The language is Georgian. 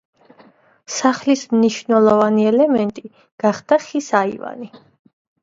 სახლის მნიშვნელოვანი ელემენტი გახდა ხის აივანი.